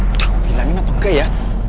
aku bilangin apa enggak ya